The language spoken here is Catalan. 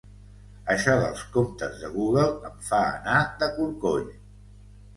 Això dels comptes de Google em fa anar de corcoll